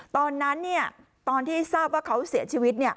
ตอนนั้นเนี่ยตอนที่ทราบว่าเขาเสียชีวิตเนี่ย